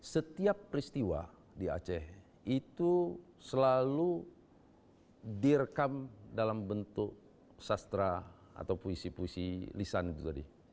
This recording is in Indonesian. setiap peristiwa di aceh itu selalu direkam dalam bentuk sastra atau puisi puisi lisan itu tadi